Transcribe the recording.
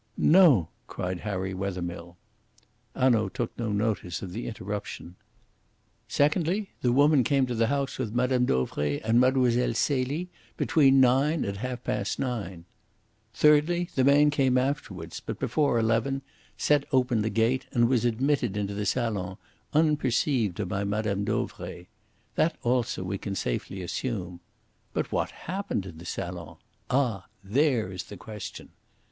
"No!" cried Harry Wethermill. Hanaud took no notice of the interruption. "Secondly the woman came to the house with Mme. Dauvray and Mlle. Celie between nine and half past nine. Thirdly, the man came afterwards, but before eleven, set open the gate, and was admitted into the salon, unperceived by Mme. Dauvray. That also we can safely assume. But what happened in the salon? Ah! There is the question."